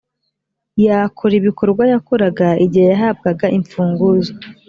yakora ibikorwa yakoraga igihe yahabwaga imfunguzo